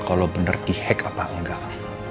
kalau benar di hack apa enggak